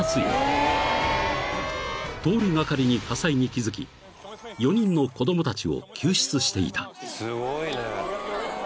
［通り掛かりに火災に気付き４人の子供たちを救出していた］